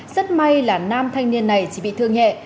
rất may là nam thanh niên này chỉ bị thương nhẹ